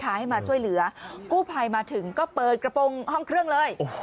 ให้มาช่วยเหลือกู้ภัยมาถึงก็เปิดกระโปรงห้องเครื่องเลย